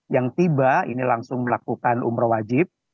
yang tiba ini langsung melakukan umroh wajib